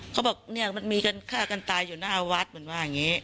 เขาบอกเนี่ยมันมีกันฆ่ากันตายอยู่หน้าวัดมันว่าอย่างนี้